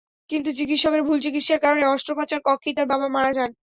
কিন্তু চিকিৎসকের ভুল চিকিৎসার কারণে অস্ত্রোপচার কক্ষেই তাঁর বাবা মারা যান।